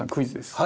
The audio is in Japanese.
はい。